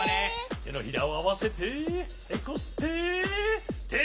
てのひらをあわせてこすって。